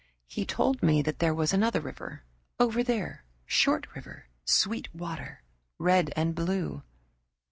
He told me that there was another river "over there, short river, sweet water, red and blue."